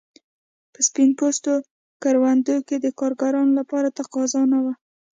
په سپین پوستو کروندو کې د کارګرانو لپاره تقاضا نه وه.